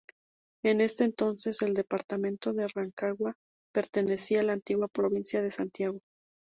En ese entonces el departamento de Rancagua pertenecía a la antigua provincia de Santiago.